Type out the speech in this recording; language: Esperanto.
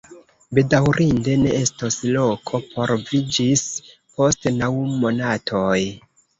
Bedaŭrinde ne estos loko por vi ĝis post naŭ monatoj.